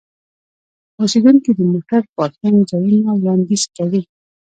اوسیدونکي د موټر پارکینګ ځایونه وړاندیز کوي.